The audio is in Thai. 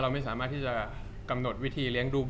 จากความไม่เข้าจันทร์ของผู้ใหญ่ของพ่อกับแม่